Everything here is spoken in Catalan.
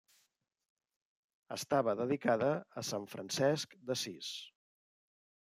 Estava dedicada a Sant Francesc d'Assís.